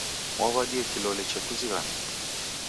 Mwaw'adie kilole chekuzighana?